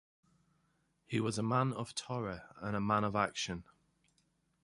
He was a man of Torah, and a man of action.